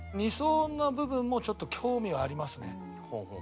２層な部分もちょっと興味はありますね。